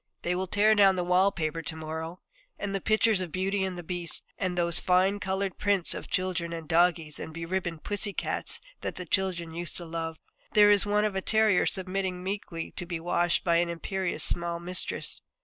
They will tear down the wall paper to morrow, and the pictures of Beauty and the Beast, and those fine coloured prints of children and doggies and beribboned pussy cats that the children used to love. There is one of a terrier submitting meekly to be washed by an imperious small mistress.